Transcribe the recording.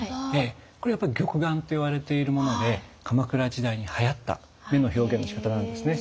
これはやっぱり玉眼といわれているもので鎌倉時代にはやった目の表現のしかたなんですね。